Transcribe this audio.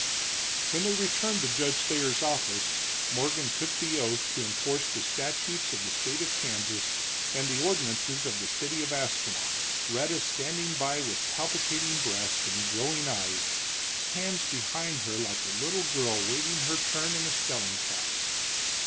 When they returned to Judge Thayer's office Morgan took the oath to enforce the statutes of the state of Kansas and the ordinances of the city of Ascalon, Rhetta standing by with palpitating breast and glowing eyes, hands behind her like a little girl waiting her turn in a spelling class.